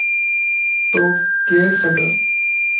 توڪ ڪير سَڏ؟